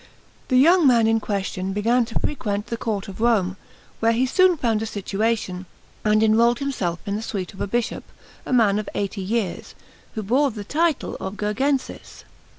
The young man in question began to frequent the Court of Rome, where he soon found a situation, and enrolled himself in the suite of a bishop, a man of eighty years, who bore the title of Gurgensis.